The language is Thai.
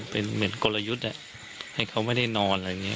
เป็นกลยุทธ์อะให้เค้าไม่ได้นอนอะไรอย่างเงี้ย